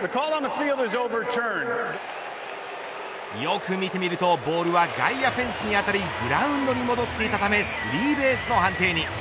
よく見てみるとボールは外野フェンスに当たりグラウンドに戻っていたためスリーベースの判定に。